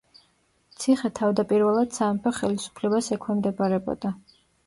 ციხე თავდაპირველად სამეფო ხელისუფლებას ექვემდებარებოდა.